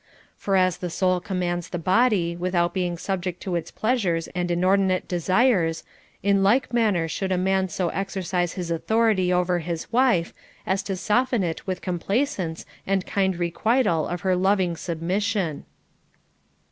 For as the soul commands the body, without being subject to its pleasures and inordinate desires, in like manner should a man so exercise his authority over his wife, as to soften it with complaisance and kind requital of her loving sub mission.